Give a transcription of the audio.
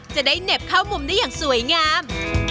เหน็บเข้ามุมได้อย่างสวยงาม